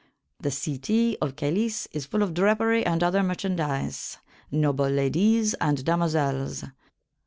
The cytie of Calys is full of drapery and other merchauntdyse, noble ladyes and damosels.